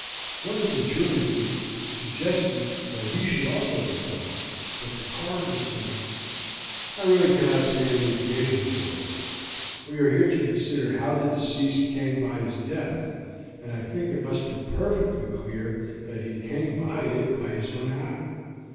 One of the jurymen suggested that he should also be called, but the coroner said: "I really cannot see any occasion for it; we are here to consider how the deceased came by his death, and I think it must be perfectly clear that he came by it by his own act.